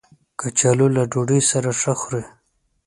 کچالو له ډوډۍ سره ښه خوري